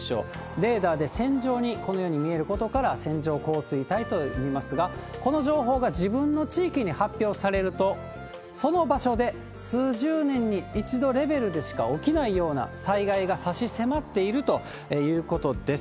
レーダーで線状にこのように見えることから、線状降水帯といいますが、この情報が自分の地域に発表されると、その場所で数十年に一度レベルでしか起きないような災害が差し迫っているということです。